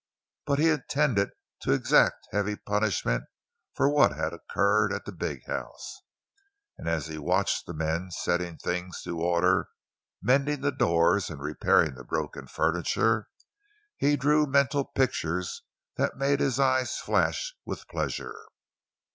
But he intended to exact heavy punishment for what had occurred at the big house; and as he watched the men setting things to order—mending the doors and repairing the broken furniture—he drew mental pictures that made his eyes flash with pleasure.